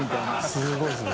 すごいですよね。